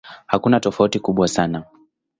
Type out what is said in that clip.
Hakuna tofauti kubwa sana.